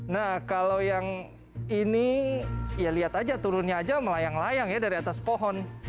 nah kalau yang ini ya lihat aja turunnya aja melayang layang ya dari atas pohon